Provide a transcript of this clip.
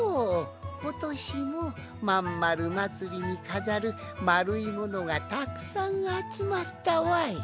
ことしも「まんまるまつり」にかざるまるいものがたくさんあつまったわい。